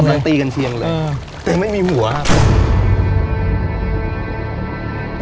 ยังตีกันเชียงเลยแต่ไม่มีหัวครับ